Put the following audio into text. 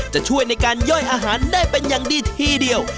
จะช่วยในการย่อยอาหารได้เป็นอย่างดีทีเดียว